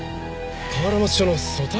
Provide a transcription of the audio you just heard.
河原町署の組対？